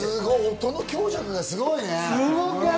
音の強弱がすごいね。